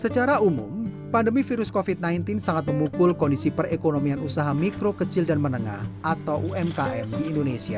secara umum pandemi virus covid sembilan belas sangat memukul kondisi perekonomian usaha mikro kecil dan menengah atau umkm di indonesia